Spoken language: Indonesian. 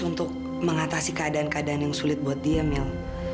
untuk mengatasi keadaan keadaan yang sulit buat dia mil